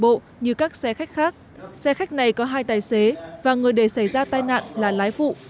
bộ như các xe khách khác xe khách này có hai tài xế và người để xảy ra tai nạn là lái phụ